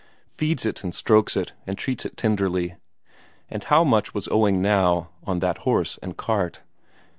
Feeds it and strokes it and treats it tenderly. And how much was owing now, on that horse and cart?